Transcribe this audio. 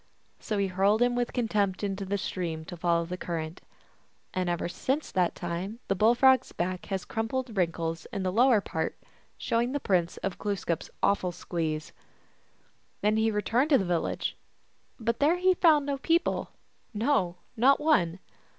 So he hurled him with contempt into the stream, to follow the cur rent. And ever since that time the Bull Frog s back has crumpled wrinkles in the lower part, showing the prints of Glooskap s awful squeeze. Then he returned to the village ; but there he found no people, no, not one.